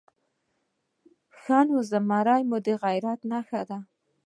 _ښه نو، زمری مو د غيرت نښه ده؟